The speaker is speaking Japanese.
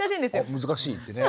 「あ難しい」ってね。